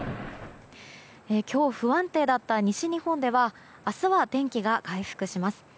今日、不安定だった西日本では明日は天気が回復します。